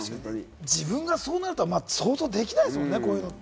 自分がそうなるとは想像できないですもんね。